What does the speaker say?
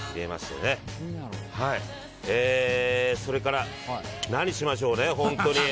それから、何しましょうね本当に。